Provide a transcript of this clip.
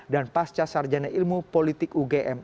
dan pascasar janai ilmu politik ugm